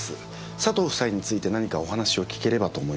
佐藤夫妻について何かお話を聞ければと思いまして。